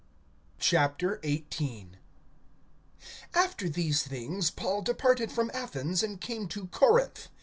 XVIII. AFTER these things Paul departed from Athens, and came to Corinth.